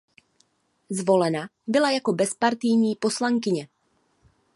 Zvolena byla jako bezpartijní poslankyně.